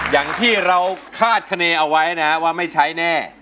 อย่างที่เราคาดคณีเอาไว้นะว่าไม่ใช้แน่